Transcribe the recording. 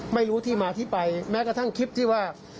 ไม่รู้ที่มาที่ไปแม้กระทั่งคลิปที่ว่า